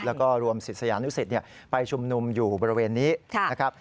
แล้วก็รวมศิษยานุสิตไปชุมนุมอยู่บริเวณนี้นะครับ